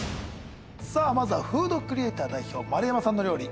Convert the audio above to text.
さぁまずはフードクリエイター代表丸山さんの料理